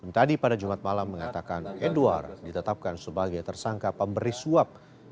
tadi pada jumat malam mengatakan edward ditetapkan sebagai tersangka pemberi suap